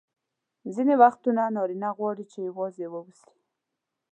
ځیني وختونه نارینه غواړي چي یوازي واوسي.